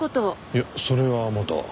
いやそれはまだ。